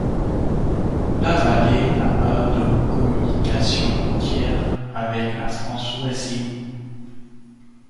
La vallée n'a pas de communication routière avec la France voisine.